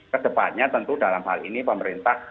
kedepannya tentu dalam hal ini pemerintah